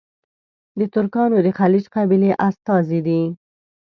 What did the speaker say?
د ترکانو د خیلیچ قبیلې استازي دي.